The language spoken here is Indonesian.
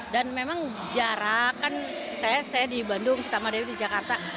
dan memang jarak kan saya di bandung sita madawi di jakarta